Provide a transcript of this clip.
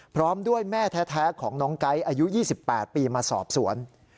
พร้อมด้วยแม่แท้ของน้องไก๊อายุ๒๘ปีมาสอบสวน